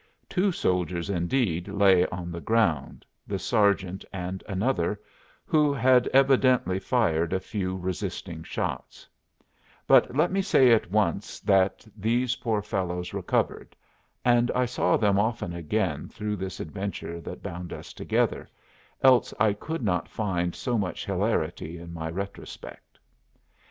Two soldiers, indeed, lay on the ground, the sergeant and another, who had evidently fired a few resisting shots; but let me say at once that these poor fellows recovered, and I saw them often again through this adventure that bound us together, else I could not find so much hilarity in my retrospect.